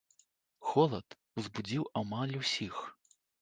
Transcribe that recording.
Холад узбудзіў амаль усіх.